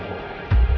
percaya di semua